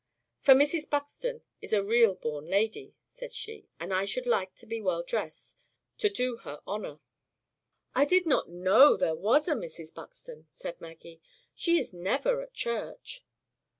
"For Mrs. Buxton is a real born lady," said she; "and I should like to be well dressed, to do her honor." "I did not know there was a Mrs. Buxton," said Maggie. "She is never at church."